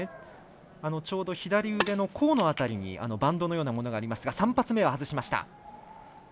ちょうど左腕の甲の辺りにバンドのようなものがあります。